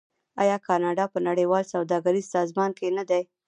آیا کاناډا په نړیوال سوداګریز سازمان کې نه دی؟